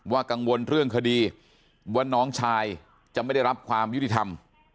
กังวลเรื่องคดีว่าน้องชายจะไม่ได้รับความยุติธรรม